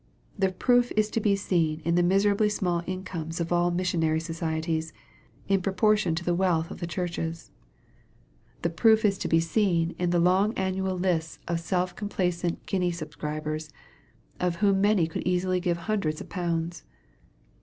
The proof is to be seen in the miserably Bmall incomes of all the missionary societies, in propor tion to the wealth of the churches. The proof is to be 270 EXPOSITORY THOUGHTS. seen in the long annual lists of self complacent guinea subscribers, of whom many could easily give hundreds of pounds.